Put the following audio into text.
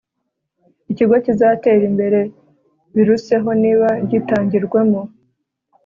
Ikigo kizatera imbere biruseho niba gitangirwamo